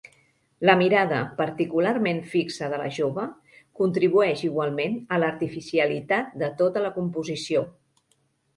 La mirada, particularment fixa, de la jove, contribueix igualment a l'artificialitat de tota la composició.